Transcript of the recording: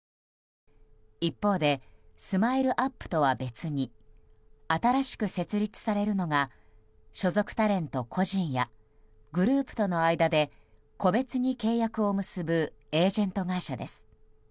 一方でＳＭＩＬＥ‐ＵＰ．とは別に新しく設立されるのが所属タレント個人やグループとの間で個別に契約を結ぶエージェント会社です。